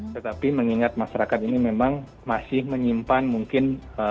tetapi mengingat masyarakat ini memang masih menyimpan mungkin